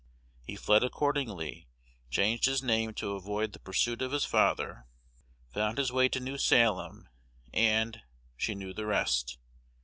He fled accordingly, changed his name to avoid the pursuit of his father, found his way to New Salem, and she knew the rest.